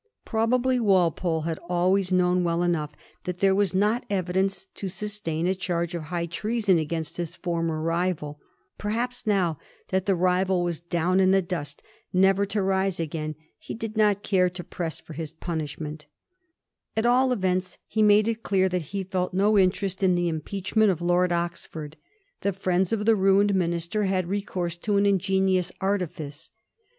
Probably Walpole had always known well enough that there was not evidence to sustain a charge of high treason against his former rival; perhaps now that the rival was down in the dust^ never to rise again, he did not care to press for hia punishment At all events, he made it clear that he felt no interest in the impeachment of Lord Oxford. Digiti zed by Google 1717. OXFORD'S IMPEACHMENT. 221 The firiends of the ruined minister had recourse to an ingenious artifice.